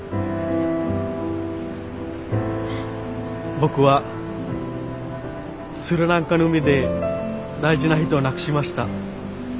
僕はスリランカの海で大事な人を亡くしました。